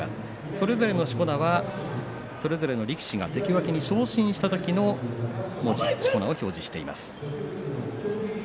それぞれのしこ名はそれぞれの力士が関脇に昇進した時のしこ名を表示しています。